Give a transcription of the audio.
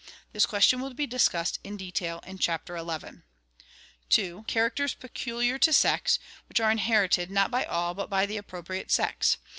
This question will be discussed in detail in Chapter XI. 2. Characters peculiar to sex, which are inherited, not by all, but by the appropriate sex.